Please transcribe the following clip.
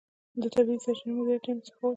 د طبیعي سرچینو مدیریت ډېر متفاوت و.